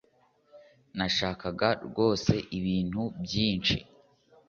nashakaga rwose ibintu byinshi